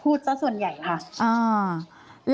เป็นตำรวจพูดซะเป็นส่วนใหญ่หรือว่าเป็นผู้ชายที่มาทีหลังค่ะ